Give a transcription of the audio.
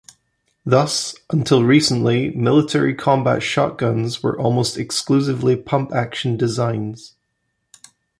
Thus, until recently, military combat shotguns were almost exclusively pump-action designs.